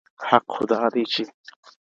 حق خو دا دی چي